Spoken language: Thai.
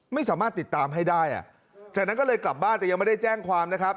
ไม่สามารถติดตามให้ได้อ่ะจากนั้นก็เลยกลับบ้านแต่ยังไม่ได้แจ้งความนะครับ